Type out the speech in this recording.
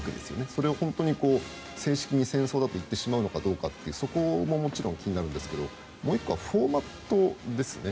それを本当に正式に戦争だと言ってしまうのかどうかそこももちろん気になるんですがもう１個はフォーマットですね。